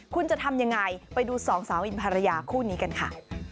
คุณจะทำยังไงไปดูสองสาวอินภรรยาคู่นี้กันค่ะ